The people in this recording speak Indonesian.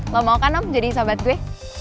lo mau kan om jadi sobat gue